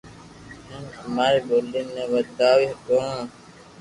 ھين اماري ٻولي ني وداوي ھگو